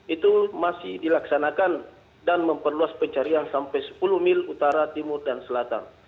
itu masih dilaksanakan dan memperluas pencarian sampai sepuluh mil utara timur dan selatan